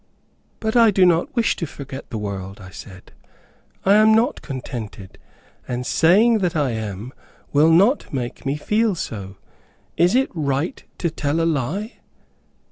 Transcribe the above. "But I do not wish to forget the world," I said. "I am not contented, and saying that I am will not make me feel so. Is it right to tell a lie?"